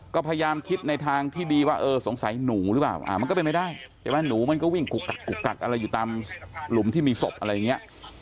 ก็พยายามคิดในทางที่ดีว่าเออสงสัยหนูหรือเปล่ามันก็เป็นไม่ได้ใช่ไหมหนูมันก็วิ่งกุกกักอะไรอยู่ตามหลุมที่มีศพอะไรอย่างนี้